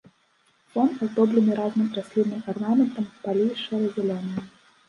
Фон аздоблены разным раслінным арнаментам, палі шэра-зялёныя.